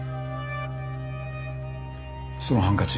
そのハンカチ